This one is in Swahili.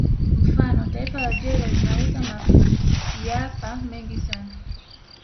Mfano taifa la Algeria linauza mapiapa mengi sana